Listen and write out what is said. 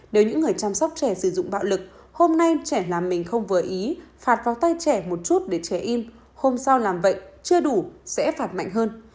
nếu những người chăm sóc trẻ sử dụng bạo lực hôm nay trẻ làm mình không vừa ý phạt vào tay trẻ một chút để trẻ em hôm sau làm vậy chưa đủ sẽ phạt mạnh hơn